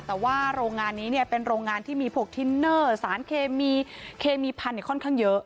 แต่ว่าโรงงานนี้เป็นโรงงานที่มีพวกทินเนอร์สารเคมีเคมีพันธุ์ค่อนข้างเยอะ